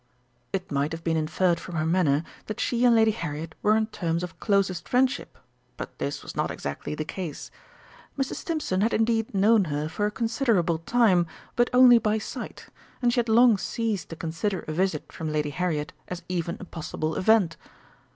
It might have been inferred from her manner that she and Lady Harriet were on terms of closest friendship, but this was not exactly the case. Mrs. Stimpson had indeed known her for a considerable time, but only by sight, and she had long ceased to consider a visit from Lady Harriet as even a possible event.